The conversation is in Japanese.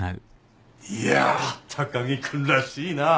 いや高木君らしいな。